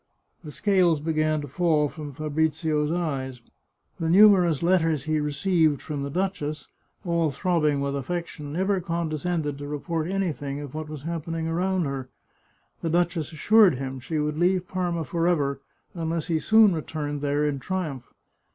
The scales began to fall from Fabrizio's eyes. The nu merous letters he received from the duchess, all throbbing with affection, never condescended to report anything of what was happening around her. The duchess assured him she would leave Parma forever, unless he soon returned there in triumph.